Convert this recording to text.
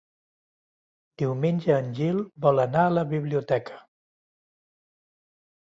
Diumenge en Gil vol anar a la biblioteca.